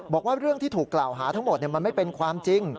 บอกว่าเรื่องที่ถูกกล่าวหาทั้งหมดมันไม่เป็นความจริง